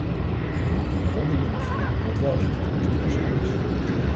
We moeten een wondermiddel vinden dat wel economisch duurzaam is.